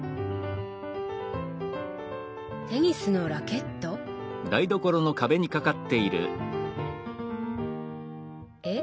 テニスのラケット？え？